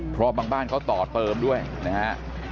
เพราะบางบ้านเขาต่อเติมด้วยนะฮะ